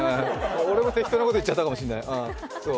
俺も適当なこと言っちゃったかもしれない。